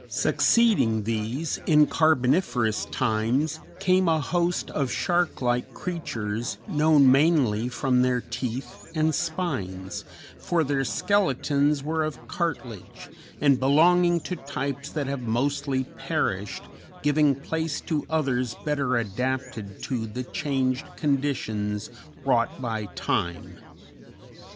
Succeeding these, in Carboniferous times, came a host of shark like creatures known mainly from their teeth and spines, for their skeletons were of cartilage, and belonging to types that have mostly perished, giving place to others better adapted to the changed conditions wrought by time.